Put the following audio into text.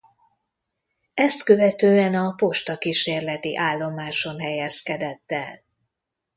Ezt követően a Posta Kísérleti Állomáson helyezkedett el.